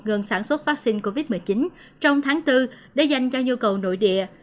ngừng sản xuất vaccine covid một mươi chín trong tháng bốn để dành cho nhu cầu nội địa